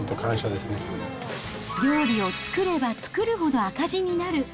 料理を作れば作るほど赤字になる。